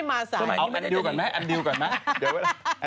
อันดิวก่อน